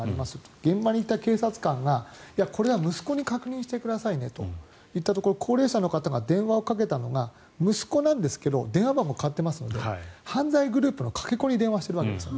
現場にいた警察官がこれは息子に確認してくださいねといったところ高齢者の方が電話をかけたのが息子なんですが電話番号が変わっていますので犯罪グループのかけ子に電話しているわけですね。